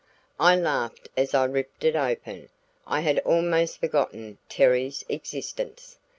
I laughed as I ripped it open; I had almost forgotten Terry's existence.